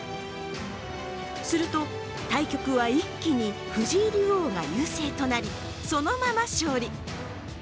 すると、対局は一気に藤井竜王が優勢となり、そのまま勝利。